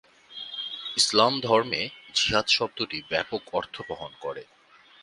ইসলাম ধর্মে জিহাদ শব্দটি ব্যাপক অর্থ বহন করে।